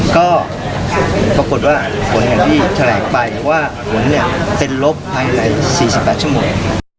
ก็ปรากฏว่าผลที่แถลกไปว่าผลเป็นลบภายใน๔๘ชั่วโมง